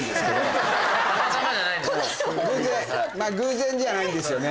まぁ偶然じゃないんですよね。